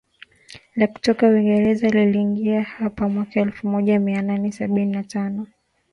la kutoka Uingereza liliingia hapa mwaka elfumoja mianane sabini na tano